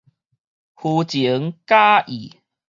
虛情假意